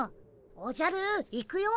おじゃる行くよ。